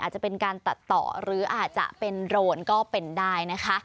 อาจจะเป็นการตัดต่อหรืออาจจะเป็นโรนก็เป็นได้นะคะ